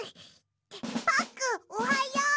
パックンおはよう！